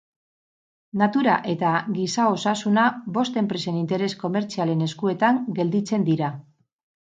Natura eta giza-osasuna bost enpresen interes komertzialen eskuetan gelditzen dira.